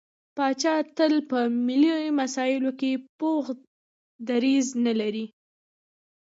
پاچا تل په ملي مسايلو کې پوخ دريځ نه لري.